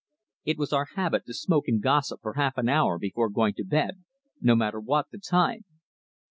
It was our habit to smoke and gossip for half an hour before going to bed, no matter what the time.